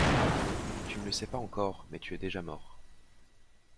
Tu ne le sais pas encore, mais tu es déjà mort.